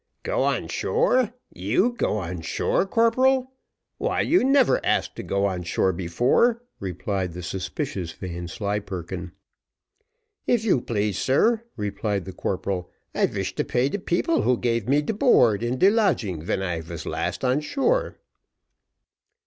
"Go on shore! you go on shore, corporal? why you never asked to go on shore before," replied the suspicious Vanslyperken. "If you please, sir," replied the corporal, "I wish to pay de people who gave me de board and de lodging ven I vas last on shore."